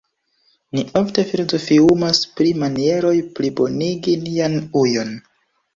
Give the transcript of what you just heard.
Ni ofte filozofiumas pri manieroj plibonigi nian ujon.